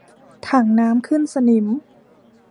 ถังน้ำขึ้นสนิม